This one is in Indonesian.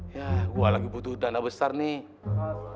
ya wah lagi butuh dana besar nih